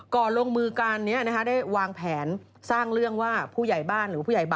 ก่อนลงมือการนี้วางแผนสร้างเรื่องว่าผู้ใหญ่บ้าน